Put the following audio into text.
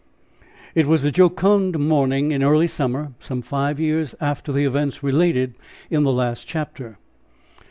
It was a jocund morning in early summer some five years after the events related in the last chapter.